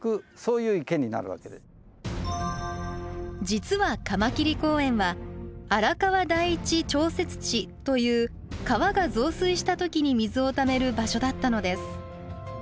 実はカマキリ公園は「荒川第一調節池」という川が増水した時に水をためる場所だったのです。